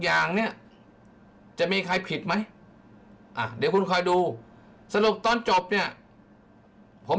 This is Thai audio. อย่างเนี่ยจะมีใครผิดไหมอ่ะเดี๋ยวคุณคอยดูสรุปตอนจบเนี่ยผม